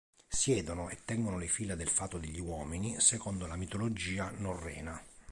Siedono, e tengono le fila del Fato degli uomini, secondo la mitologia norrena.